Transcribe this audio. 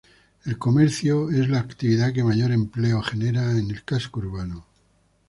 El comercio es la actividad que mayor empleo genera en el casco urbano.